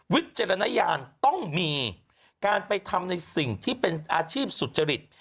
วิจารณญาณต้องมีการไปทำในสิ่งที่เป็นอาชีพสุจริต